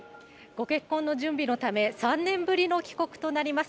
ご結婚の準備のため、３年ぶりの帰国となります